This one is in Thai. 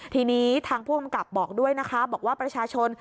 ทีนี้ทางผู้กำกับบอกด้วยนะคะบอกว่าประชาชน